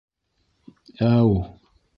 Әү!